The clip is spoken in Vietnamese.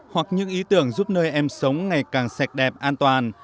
hoặc những ý tưởng giúp nơi em sống ngày càng sạch đẹp an toàn